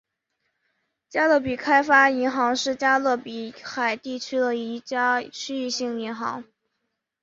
加勒比开发银行是加勒比海地区的一家区域性银行。